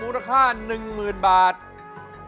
รูปสุดงามสมสังคมเครื่องใครแต่หน้าเสียดายใจทดสกัน